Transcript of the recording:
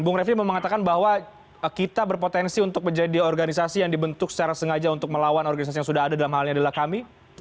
bung refli mengatakan bahwa kita berpotensi untuk menjadi organisasi yang dibentuk secara sengaja untuk melawan organisasi yang sudah ada dalam hal ini adalah kami